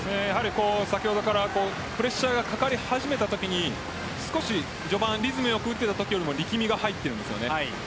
先ほどからプレッシャーがかかり始めたときに序盤、リズム良く打てていたときより力みが入っているんです。